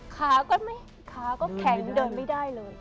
ขาก็ไม่ขาก็แข็งเดินไม่ได้เลย